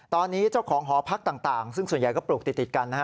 ตอนนี้เจ้าของหอพักต่างซึ่งส่วนใหญ่ก็ปลูกติดกันนะฮะ